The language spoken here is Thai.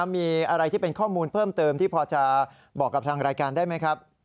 มีอะไรที่เป็นข้อมูลเพิ่มเติมที่พอจะบอกกับทางรายการได้ไหมครับ